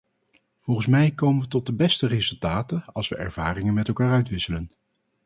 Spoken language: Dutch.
Volgens mij komen we tot de beste resultaten als we ervaringen met elkaar uitwisselen.